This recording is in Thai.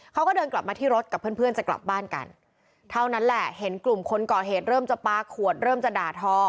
เขาก็เดินกลับมาที่รถกับเพื่อนเพื่อนจะกลับบ้านกันเท่านั้นแหละเห็นกลุ่มคนก่อเหตุเริ่มจะปลาขวดเริ่มจะด่าทอ